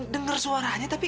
dengar suaranya tapi